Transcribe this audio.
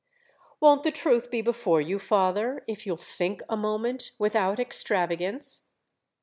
"Won't the truth be before you, father, if you'll think a moment—without extravagance?"